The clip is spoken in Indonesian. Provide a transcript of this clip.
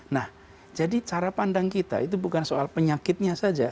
nah jadi cara pandang kita itu bukan soal penyakitnya saja